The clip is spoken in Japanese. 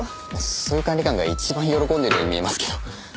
そういう管理官が一番喜んでるように見えますけど。